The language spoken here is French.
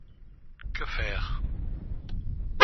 Que faire ?